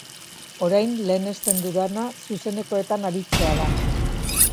Orain lehenesten dudana zuzenekoetan aritzea da.